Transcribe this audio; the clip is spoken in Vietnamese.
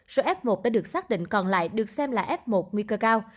số f một đã được xác định còn lại được xem là f một nguy cơ cao